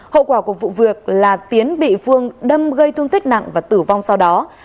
hậu quả của vụ việc là tiến bị phương đâm gây thương tích nặng và tử vong sau đó